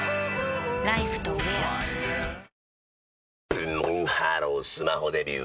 ブンブンハロースマホデビュー！